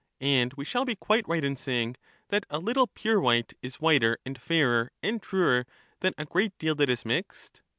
And we shall be quite right in saying that a little pure white is whiter and fairer and truer than a great deal that is mixed.